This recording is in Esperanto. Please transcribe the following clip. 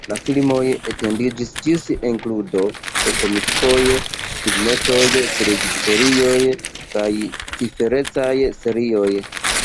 La filmoj etendiĝis ĝis inkludo de komiksoj, filmetoj, televidserioj kaj ciferecaj serioj.